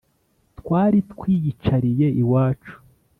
Twari twiyicariye iwacu